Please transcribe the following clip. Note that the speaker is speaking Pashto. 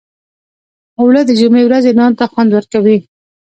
اوړه د جمعې ورځې نان ته خوند ورکوي